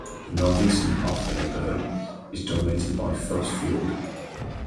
The northeastern half of the neighborhood is dominated by Felts Field.